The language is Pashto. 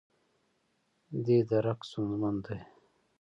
دې درک ستونزمن دی.